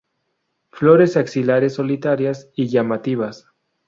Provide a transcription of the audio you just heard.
Flores axilares solitarias, y llamativas.